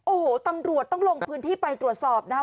โอ้โหตำรวจต้องลงพื้นที่ไปตรวจสอบนะครับ